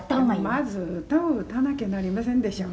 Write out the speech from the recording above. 「まず歌を歌わなきゃなりませんでしょ」